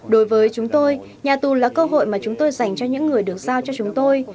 đối với chúng tôi nhà tù là cơ hội mà chúng tôi dành cho những người được giao cho chúng tôi